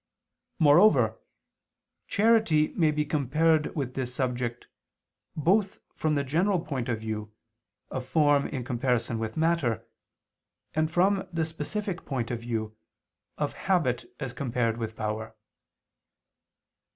Moreover charity may be compared with this subject, both from the general point of view of form in comparison with matter, and from the specific point of view of habit as compared with power.